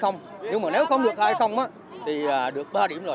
nhưng mà nếu không được hai thì được ba điểm rồi